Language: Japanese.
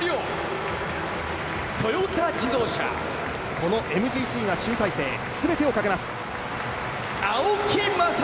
このＭＧＣが集大成全てをかけます。